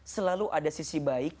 selalu ada sisi baik